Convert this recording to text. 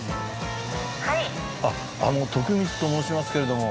あっあの徳光と申しますけれども。